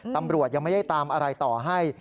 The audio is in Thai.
ตำรวจยังไม่ได้ตามอะไรต่อให้